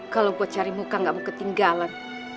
kalau buat cari muka gak mau ketinggalan